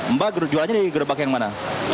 mbak jualannya dari gerobak yang mana